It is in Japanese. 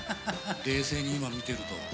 冷静に今見てると。